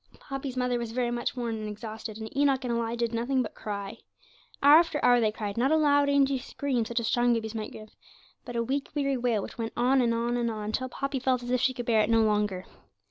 Poppy's mother was very much worn and exhausted, and Enoch and Elijah did nothing but cry. Hour after hour they cried, not a loud, angry scream, such as strong babies might give, but a weak, weary wail, which went on, and on, and on, till Poppy felt as if she could bear it no longer.